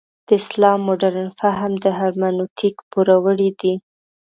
د اسلام مډرن فهم د هرمنوتیک پوروړی دی.